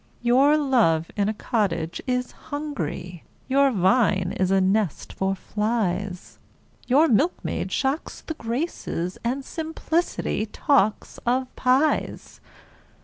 Your love in a cottage is hungry, Your vine is a nest for flies Your milkmaid shocks the Graces, And simplicity talks of pies!